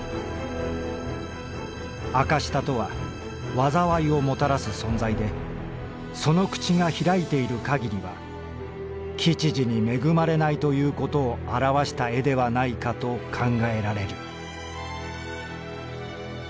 「赤舌とは禍をもたらす存在でその口が開いている限りは吉事に恵まれないということを表した絵ではないかと考えられる」。